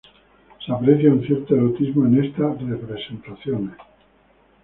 Se aprecia un cierto erotismo en estas representaciones.